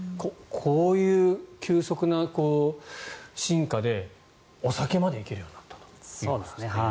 こういう急速な進化でお酒までいけるようになったと。